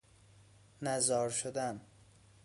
نزار شدن